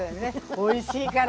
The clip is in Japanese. おいしいから。